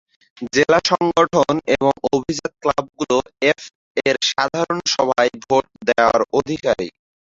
জেলা সংগঠন এবং অভিজাত ক্লাবগুলো এফএ-এর সাধারণ সভায় ভোট দেওয়ার অধিকারী।